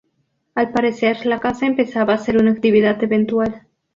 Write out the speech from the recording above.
Al parecer, la caza empezaba a ser una actividad eventual.